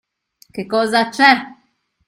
Che cosa c'è?